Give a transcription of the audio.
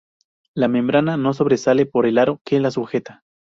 La membrana no sobresale por el aro que la sujeta.